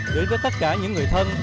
đến với tất cả những người thân